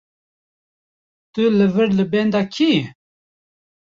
Tu li vir li benda kê yî?